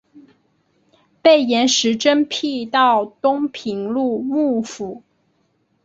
被严实征辟到东平路幕府。